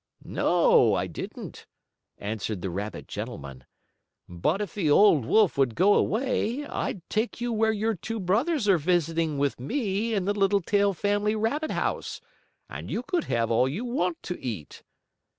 "No, I didn't," answered the rabbit gentleman. "But if the old wolf would go away I'd take you where your two brothers are visiting with me in the Littletail family rabbit house and you could have all you want to eat."